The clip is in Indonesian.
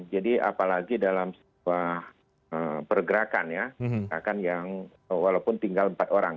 apalagi dalam sebuah pergerakan ya kan yang walaupun tinggal empat orang